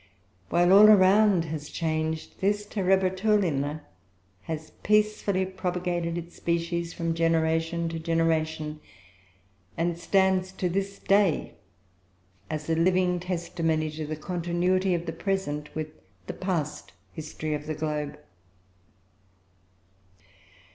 While all around has changed, this Terebratulina has peacefully propagated its species from generation to generation, and stands to this day, as a living testimony to the continuity of the present with the past history of the globe.